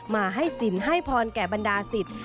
มาให้สินให้พรแก่บรรดาศิษย์